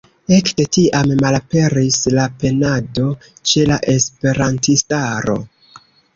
Ekde tiam malaperis la penado ĉe la esperantistaro.